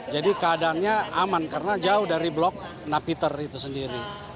jadi keadaannya aman karena jauh dari blok napiter itu sendiri